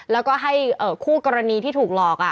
แล้วก็ให้คู่กรณีที่ถูกหลอก